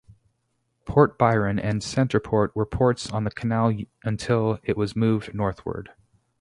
Port Byron and Centerport were ports on the canal until it was moved northward.